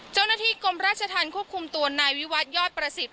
เจ้าหน้าที่กรมราชธรรมควบคุมตัวนายวิวัตยอดประสิทธิ